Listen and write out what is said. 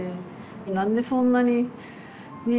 何でそんなにねえ